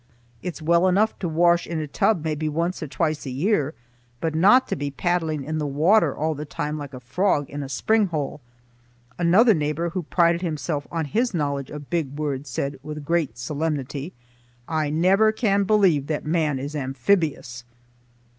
It's well enough to wash in a tub maybe once or twice a year, but not to be paddling in the water all the time like a frog in a spring hole." Another neighbor, who prided himself on his knowledge of big words, said with great solemnity: "I never can believe that man is amphibious!"